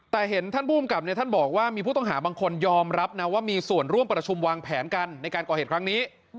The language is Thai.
แต่เห็นท่านภูมิกับท่านบอกว่ามีผู้ต้องหาบางคนยอมรับนะว่ามีส่วนร่วมประชุมวางแผนกันในการก่อเหตุครั้งนี้